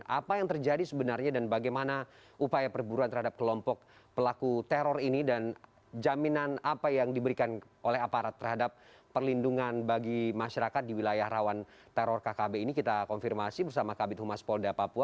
apa yang terjadi sebenarnya dan bagaimana upaya perburuan terhadap kelompok pelaku teror ini dan jaminan apa yang diberikan oleh aparat terhadap perlindungan bagi masyarakat di wilayah rawan teror kkb ini kita konfirmasi bersama kabit humas polda papua